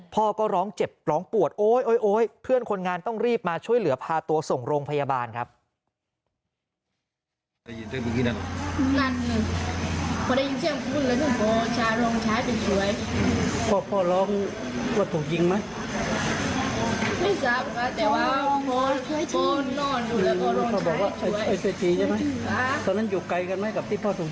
พ่อก็ร้องเจ็บร้องปวดโอ๊ยเพื่อนคนงานต้องรีบมาช่วยเหลือพาตัวส่งโรงพยาบาลครับ